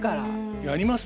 やります？